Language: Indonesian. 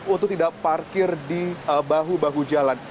untuk tidak parkir di bahu bahu jalan